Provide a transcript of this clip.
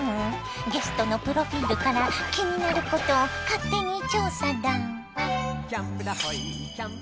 ゲストのプロフィールから気になることを勝手に調査だ。